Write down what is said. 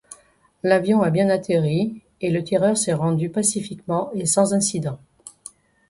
L'avion a bien atterri, et le tireur s'est rendu pacifiquement et sans incident.